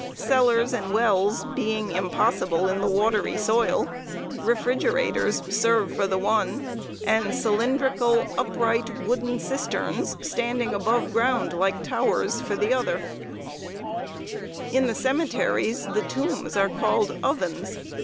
Cellars and wells being impossible in the watery soil, refrigerators serve for the one, and cylindrical upright wooden cisterns, standing aboveground, like towers, for the other. [Sidenote: CEMETERIES ABOVE THE GROUND.] In the cemeteries the tombs are called "ovens."